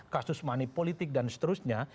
kasus money politik dan seterusnya